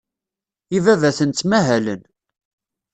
Ibabaten ttmahalen.